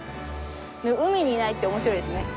海にないって面白いですね。